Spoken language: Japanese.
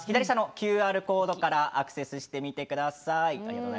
ＱＲコードからアクセスしてみてください。